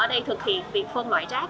ở đây thực hiện việc phân loại rác